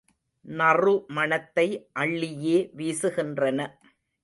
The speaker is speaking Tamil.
நறு மணத்தை அள்ளியே வீசுகின்றன.